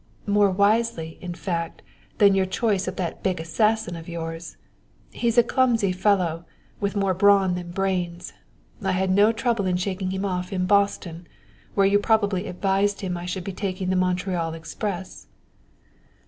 "More wisely, in fact, than your choice of that big assassin of yours. He's a clumsy fellow, with more brawn than brains. I had no trouble in shaking him off in Boston, where you probably advised him I should be taking the Montreal express."